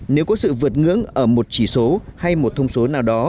nếu có sự vượt ngưỡng ở một chỉ số hay một thông số nào đó